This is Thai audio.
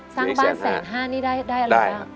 สร้างบ้านแสนห้านี่ได้อะไรบ้าง